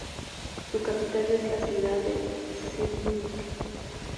Su capital es la ciudad de Svidník.